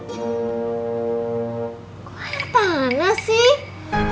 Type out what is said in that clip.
kok air panas sih